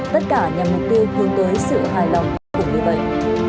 tất cả nhằm mục tiêu hướng tới sự hài lòng của người bệnh